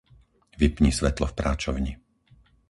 Vypni svetlo v práčovni.